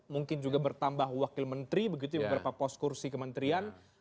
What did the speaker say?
mungkin juga bertambah wakil menteri begitu beberapa poskursi kementerian